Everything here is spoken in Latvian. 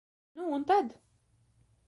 Nu un tad?